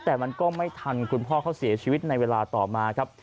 แต่มันก็ไม่ทันคุณพ่อเขาเสียชีวิตในเวลาต่อมาครับ